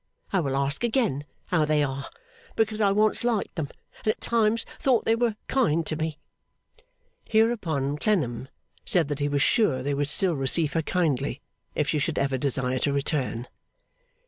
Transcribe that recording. I will ask again how they are, because I once liked them and at times thought they were kind to me.' Hereupon Clennam said that he was sure they would still receive her kindly, if she should ever desire to return.